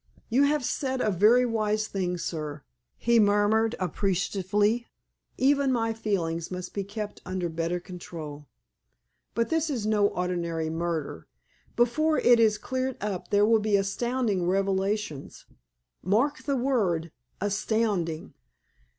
"You have said a very wise thing, sir," he murmured appreciatively. "Even my feelings must be kept under better control. But this is no ordinary murder. Before it is cleared up there will be astounding revelations. Mark the word—astounding."